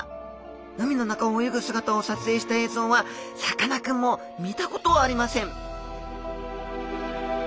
海の中を泳ぐ姿を撮影した映像はさかなクンも見たことありません